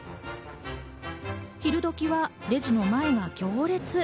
昼時はレジの前が行列。